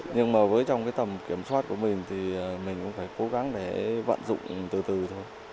nhưng mà với trong cái tầm kiểm soát của mình thì mình cũng phải cố gắng để vận dụng từ từ thôi